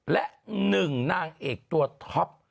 และ๑นางเอกตัวท็อป